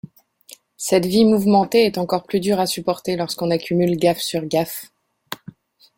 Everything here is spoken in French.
Cette vie mouvementée est encore plus dure à supporter lorsqu'on accumule gaffes sur gaffes.